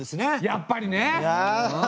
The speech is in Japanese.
やっぱり。